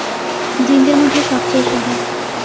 জিনদের মধ্যে সবচেয়ে সাদা।